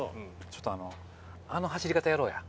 ちょっとあのあの走り方やろうや。